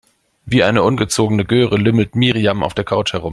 Wie eine ungezogene Göre lümmelt Miriam auf der Couch herum.